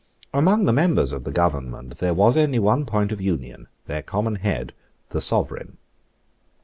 Among the members of the Government there was only one point of union, their common head, the Sovereign.